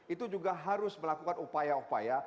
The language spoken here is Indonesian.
itu juga harus melakukan upaya upaya